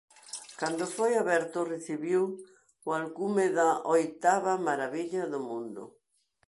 Cando foi aberto recibiu o alcume da "Oitava marabilla do mundo".